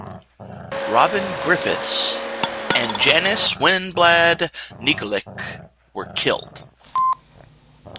Robyn Griffiths and Janice Winblad Nicolich were killed.